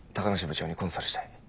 部長にコンサルしたい。